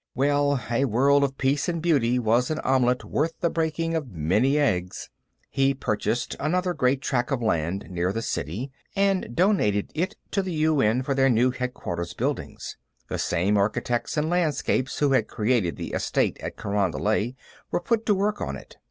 Well, a world of peace and beauty was an omelet worth the breaking of many eggs.... He purchased another great tract of land near the city, and donated it to the UN for their new headquarters buildings; the same architects and landscapists who had created the estate at Carondelet were put to work on it.